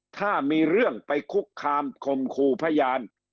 ถ้ามีเรื่องไปคุกคามคมคู่พยาน